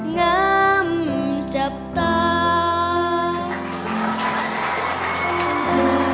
งำจับตา